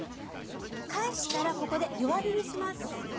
返したらここで弱火にします。